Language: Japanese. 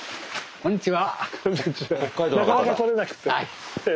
こんにちは。